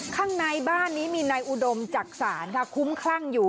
ข้างในบ้านนี้มีนายอุดมจักษานค่ะคุ้มคลั่งอยู่